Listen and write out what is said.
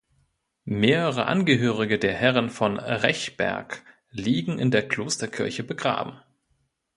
Mehrere Angehörige der Herren von Rechberg liegen in der Klosterkirche begraben.